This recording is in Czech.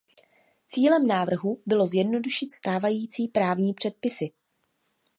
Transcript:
Cílem návrhu bylo zjednodušit stávající právní předpisy.